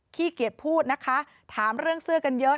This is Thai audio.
ขี้เกียจพูดนะคะถามเรื่องเสื้อกันเยอะ